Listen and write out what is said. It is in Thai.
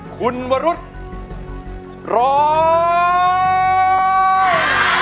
คุณวรุษร้อง